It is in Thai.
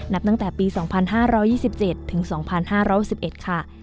นับตั้งแต่ปี๒๕๒๗ถึง๒๕๖๑ค่ะ